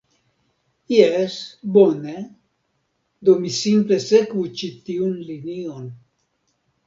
Jes, bone. Do mi simple sekvu ĉi tiun linion